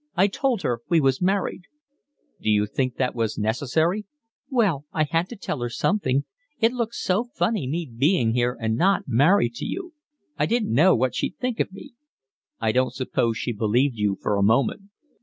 I told her we was married." "D'you think that was necessary?" "Well, I had to tell her something. It looks so funny me being here and not married to you. I didn't know what she'd think of me." "I don't suppose she believed you for a moment."